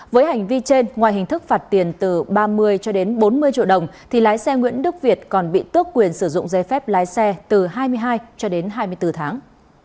với hành vi trên ngoài hình thức phạt tiền từ ba mươi cho đến bốn mươi triệu đồng thì lái xe nguyễn đức việt còn bị tước quyền sử dụng dây phép lái xe từ hai mươi hai cho đến hai mươi bốn tháng